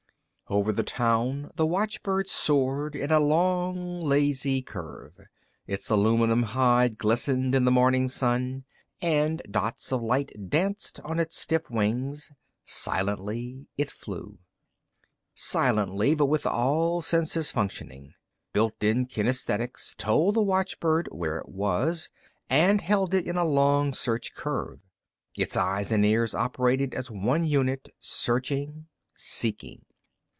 Over the town, the watchbird soared in a long, lazy curve. Its aluminum hide glistened in the morning sun, and dots of light danced on its stiff wings. Silently it flew. Silently, but with all senses functioning. Built in kinesthetics told the watchbird where it was, and held it in a long search curve. Its eyes and ears operated as one unit, searching, seeking.